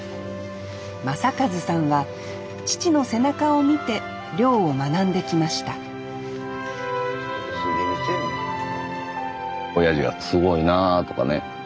将和さんは父の背中を見て漁を学んできました親父がすごいなあとかね